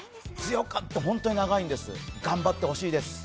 本当に長いんです頑張ってほしいです。